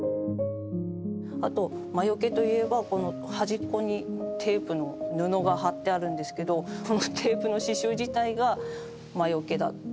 あと魔よけといえばこの端っこにテープの布が貼ってあるんですけどこのテープの刺しゅう自体が魔よけだ。